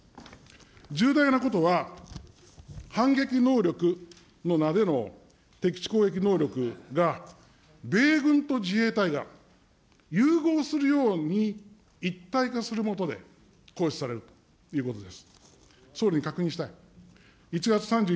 重大なことは、反撃能力のの敵基地攻撃能力が米軍と自衛隊が融合するように一体化する下で行使されるということです。